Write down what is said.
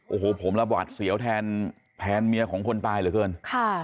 โอ้โหผมระหวาดเสียวแทนเมียของคนตายเหลือเกินค่ะ